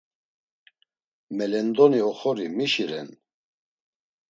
Melendoni oxori mişi ren?